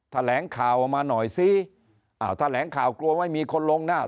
แถลงข่าวออกมาหน่อยซิอ้าวแถลงข่าวกลัวไม่มีคนลงหน้า